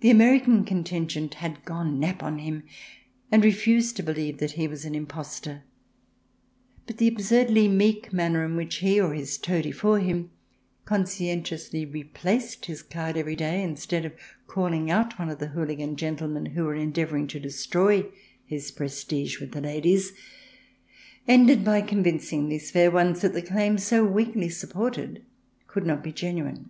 The American contingent had gone nap on him, and refused to believe that he was an imposter. But the absurdly meek manner in which he, or his toady for him, conscientiously replaced his card every day, instead of calling out one of the hooligan gentlemen who were endeavouring to destroy his prestige with the ladies, ended by convincing these fair ones that the claim so weakly supported could not be genuine.